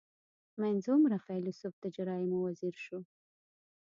• منځ عمره فېلېسوف د جرایمو وزیر شو.